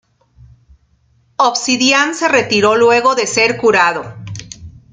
Obsidian se retiró luego de ser curado.